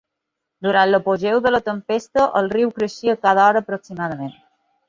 Durant l'apogeu de la tempesta, el riu creixia cada hora aproximadament.